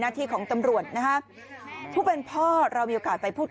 ที่ของตำรวจนะฮะผู้เป็นพ่อเรามีโอกาสไปพูด